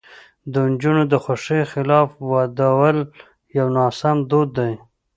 د نجونو د خوښې خلاف ودول یو ناسم دود دی.